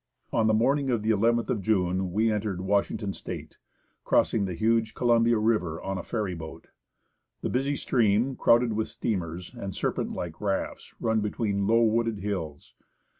On the morning of the iith June we entered Washington State, crossing the huge Columbia River on a ferry boat. The busy stream, crowded with steamers . and serpent like rafts, runs between low wooded hills.